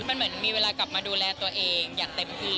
มันเหมือนมีเวลากลับมาดูแลตัวเองอย่างเต็มที่